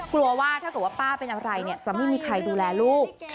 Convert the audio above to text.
กลัวว่าถ้าเกิดว่าป้าเป็นอะไรจะไม่มีใครดูแลลูก